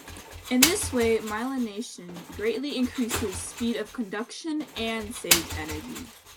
In this way, myelination greatly increases speed of conduction and saves energy.